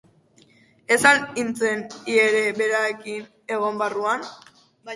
Ez al hintzen hi ere berarekin egon barruan?.